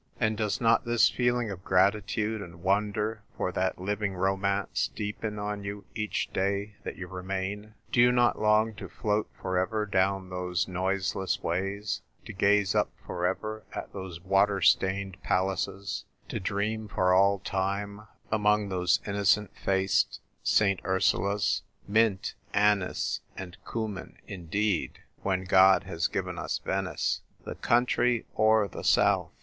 And does not this feeling of gratitude and wonder for that living romance deepen on you each day that you remain ? Do you not long to float for ever down those noiseless ways, to gaze up for ever at those water stained palaces, to dream for all time among those innocent faced St. O 2 204 THE TYPE WRITER GIRL. Ursulas ? Mint, anise, and cumin, indeed, when God has given us Venice ! The country or the south